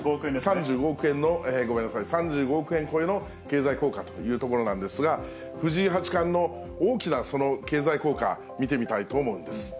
ごめんなさい、３５億円超えの経済効果というところなんですが、藤井八冠の大きな経済効果、見てみたいと思うんです。